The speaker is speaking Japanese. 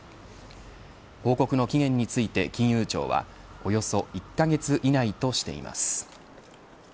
報告の期限について金融庁はおよそ１カ月以内としています。